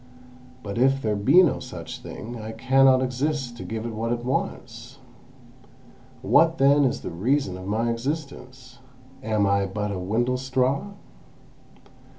But if there be no such thing, I cannot exist to give it what it wants. What then is the reason of my existence? Am I but a windlestraw?"